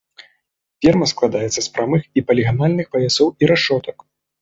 Ферма складаецца з прамых і паліганальных паясоў і рашотак.